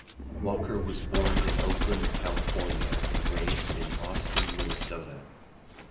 Walker was born in Oakland, California and raised in Austin, Minnesota.